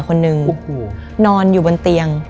คนหนึ่งนอนอยู่บนเตียง